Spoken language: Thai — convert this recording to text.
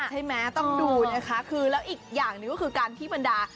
ใช่มั้ยต้องดูนะคะแล้วอีกอย่างหนึ่งคือการพี่บันดา